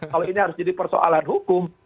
kalau ini harus jadi persoalan hukum